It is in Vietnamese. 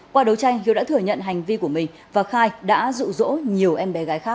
qua đấu tranh hiếu đã thừa nhận hành vi của mình và khai đã rụ rỗ nhiều em bé gái khác